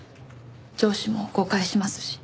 上司も誤解しますし。